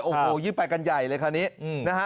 โอ้โหยิ่งไปกันใหญ่เลยคราวนี้นะฮะ